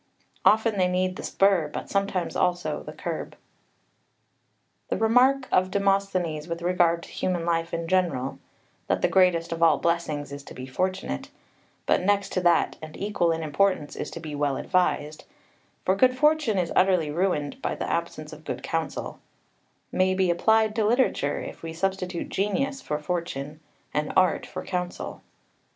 Often they need the spur, but sometimes also the curb. 3 The remark of Demosthenes with regard to human life in general, that the greatest of all blessings is to be fortunate, but next to that and equal in importance is to be well advised, for good fortune is utterly ruined by the absence of good counsel, may be applied to literature, if we substitute genius for fortune, and art for counsel.